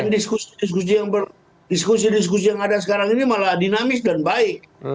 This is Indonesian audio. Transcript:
dan diskusi diskusi yang ada sekarang ini malah dinamis dan baik